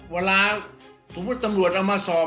เวลาถูกว่าตำรวจเอามาสอบ